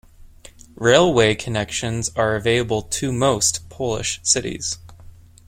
Railway connections are available to most Polish cities.